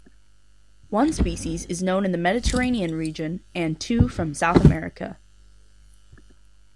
One species is known in the Mediterranean region and two from South America.